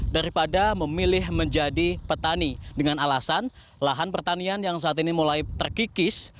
daripada memilih menjadi petani dengan alasan lahan pertanian yang saat ini mulai terkikis